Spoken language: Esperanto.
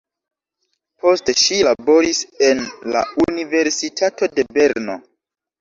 Poste ŝi laboris en la universitato de Berno.